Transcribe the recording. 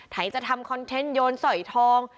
จะทำคอนเทนต์โยนสอยทอง